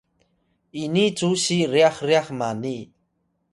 ini cu siy ryax ryax mani